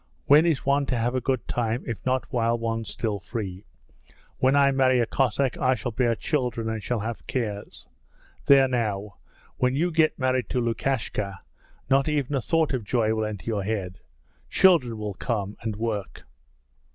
When is one to have a good time if not while one's still free? When I marry a Cossack I shall bear children and shall have cares. There now, when you get married to Lukashka not even a thought of joy will enter your head: children will come, and work!'